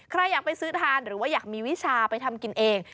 ใครอยากไปซื้อทานหรือว่าอยากมีวิชาไปทำกินเอง